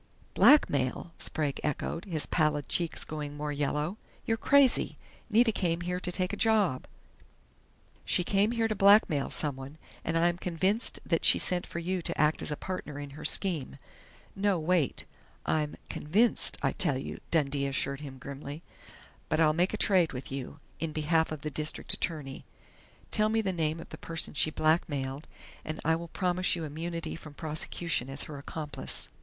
"Blackmail?" Sprague echoed, his pallid cheeks going more yellow. "You're crazy! Nita came here to take a job " "She came here to blackmail someone, and I am convinced that she sent for you to act as a partner in her scheme.... No, wait! I'm convinced, I tell you," Dundee assured him grimly. "But I'll make a trade with you, in behalf of the district attorney. Tell me the name of the person she blackmailed, and I will promise you immunity from prosecution as her accomplice."